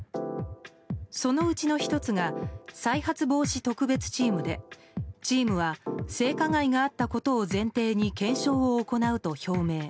そのうちの１つが再発防止特別チームでチームは性加害があったことを前提に検証を行うと表明。